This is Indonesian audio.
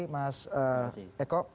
terima kasih eko